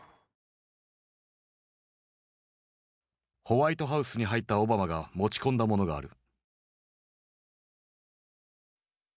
ホワイトハウスに入ったオバマが持ち込んだものがある。